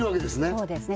そうですね